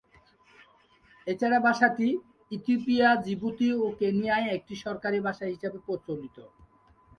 এছাড়া ভাষাটি Ethiopia, Djibouti ও কেনিয়ায় একটি সরকারী ভাষা হিসেবে প্রচলিত।